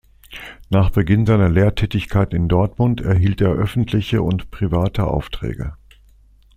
Nach Beginn seiner Lehrtätigkeit in Dortmund erhielt er öffentliche und private Aufträge.